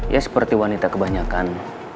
ya seperti wanita kebanyakan